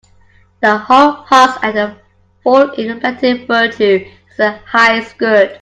The hull husk and the full in plenty Virtue is the highest good.